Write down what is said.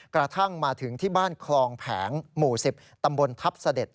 กระทั่งมาถึงที่บ้านคลองแผงหมู่๑๐ตำบลทัพเสด็จ